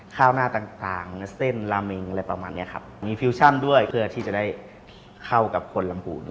ข้าวหน้าต่างเนื้อเส้นลาเมงอะไรประมาณนี้ครับมีฟิวชั่นด้วยเพื่อที่จะได้เข้ากับคนลำพู